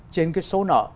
trên cái số nợ